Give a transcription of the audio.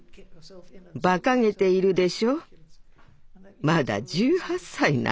ばかげているでしょまだ１８歳なのに。